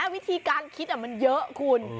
วิธีการคิดมันเยอะคุณ